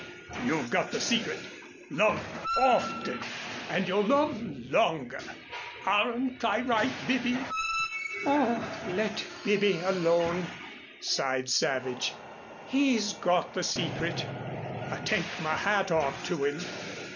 You've got the secret. Love often and you'll love longer. Aren't I right, Bibby?" "Oh, let Bibby alone," sighed Savage. "He's got the secret. I take my hat off to him.